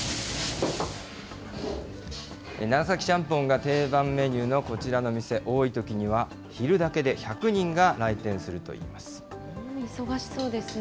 長崎ちゃんぽんが定番メニューのこちらの店、多いときには、昼だけで１００人が来店するといいます。